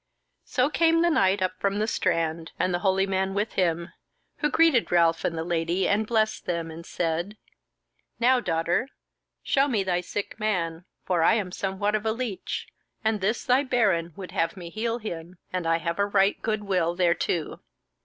So came the knight up from the strand, and the holy man with him, who greeted Ralph and the Lady and blessed them, and said: "Now, daughter, show me thy sick man; for I am somewhat of a leech, and this thy baron would have me heal him, and I have a right good will thereto."